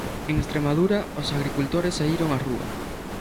En Estremadura, os agricultores saíron á rúa.